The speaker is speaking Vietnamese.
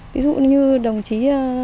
ví dụ như đồng chí